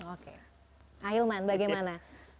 oke ahilman bagaimana